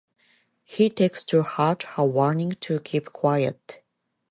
He takes to heart her warning to keep quiet.